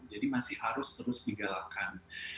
jadi masih harus terus digalakkan